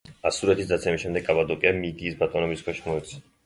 ასურეთის დაცემის შემდეგ კაპადოკია მიდიის ბატონობის ქვეშ მოექცა.